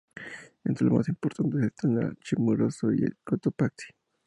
Entre los más importantes están el Chimborazo y el Cotopaxi.